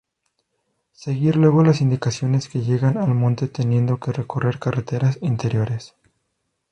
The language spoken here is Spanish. Seguir luego las indicaciones que llegan al monte teniendo que recorrer carreteras interiores.